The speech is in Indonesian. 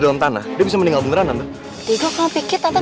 dalam tanah bisa meninggal beneran tante